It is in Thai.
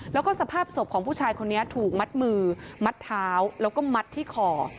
แล้วก็สภาพศพของผู้ชายคนนี้ถูกมัดมือมัดเท้าแล้วก็มัดที่คอ